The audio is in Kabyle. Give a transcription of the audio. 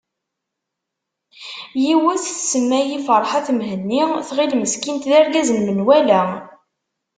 Yiwet tsemma-yi ferḥat Mhenni tɣil meskint d argaz n menwala.